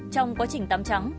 trong quá trình tắm trắng